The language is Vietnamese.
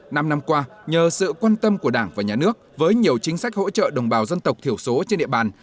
năm năm qua nhờ sự quan tâm của đảng và nhà nước với nhiều chính sách hỗ trợ đồng bào dân tộc thiểu số trên địa bàn